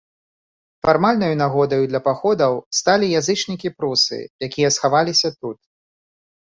Фармальнаю нагодаю для паходаў сталі язычнікі-прусы, якія схаваліся тут.